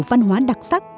văn hóa đặc sắc